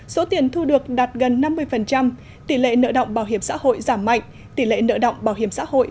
số tiền thu được đạt gần năm mươi tỷ lệ nợ động bảo hiểm xã hội giảm mạnh tỷ lệ nợ động bảo hiểm xã hội